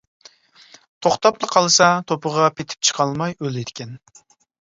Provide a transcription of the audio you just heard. توختاپلا قالسا توپىغا پېتىپ چىقالماي ئۆلىدىكەن.